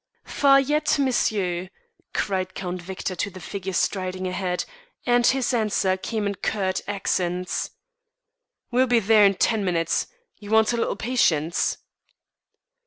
"Far yet, monsieur?" cried Count Victor to the figure striding ahead, and his answer came in curt accents. "We'll be there in ten minutes. You want a little patience."